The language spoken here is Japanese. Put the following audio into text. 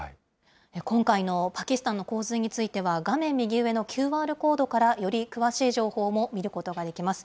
今回のパキスタンの洪水については、画面右上のＱＲコードから、より詳しい情報も見ることができます。